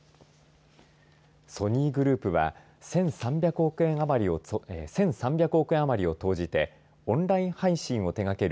ソニーグループは１３００億円余りを投じてオンライン配信を手がける